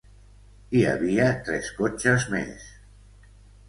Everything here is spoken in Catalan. Hi havia tres cotxes més.